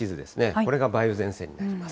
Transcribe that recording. これが梅雨前線になります。